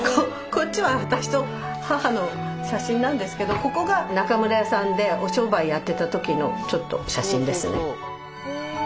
こっちは私と母の写真なんですけどここが中村屋さんでお商売やってた時のちょっと写真ですね。